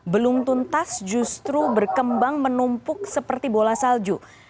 belum tuntas justru berkembang menumpuk seperti bola salju